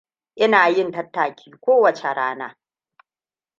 Ina yin tattaki kowace rana.